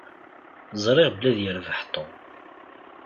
Ẓṛiɣ belli ad yerbeḥ Tom.